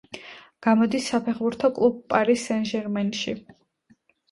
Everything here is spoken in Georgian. გამოდის საფეხბურთო კლუბ „პარი სენ-ჟერმენში“.